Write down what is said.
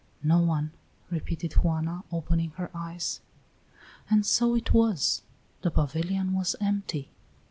"No one," repeated Juana, opening her eyes. And so it was; the pavilion was empty.